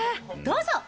どうぞ。